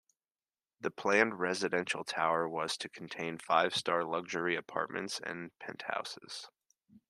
The planned residential tower was to contain five-star luxury apartments and penthouses.